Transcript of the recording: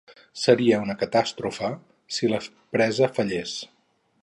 Seria una catàstrofe si la presa fallés.